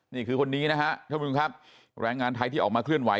นี่คือคนนี้นะฮะทุกคุณครับแรงงานไทยที่ออกมาเคลื่อนไหว